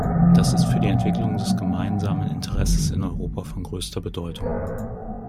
Das ist für die Entwicklung des Gemeinsamen Interesses in Europa von größter Bedeutung.